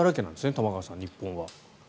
玉川さん、日本は。